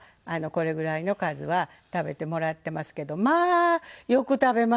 これぐらいの数は食べてもらってますけどまあよく食べます。